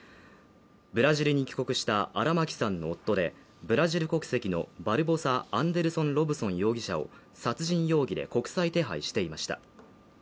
ブラジルに帰国した荒牧さんの夫で、ブラジル国籍のバルボサ・アンデルソン・ロブソン容疑者を殺人容疑で国際手配していました。